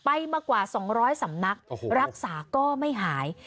มากว่า๒๐๐สำนักรักษาก็ไม่หาย